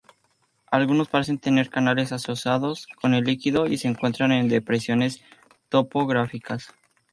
Algunos parecen tener canales asociados con el líquido y se encuentran en depresiones topográficas.